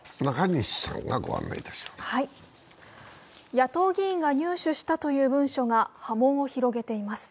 野党議員が入手したという文書が波紋を広げています。